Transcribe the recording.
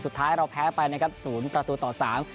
สุดท้ายเราแพ้ไปนะครับศูนย์ประตูต่อสาม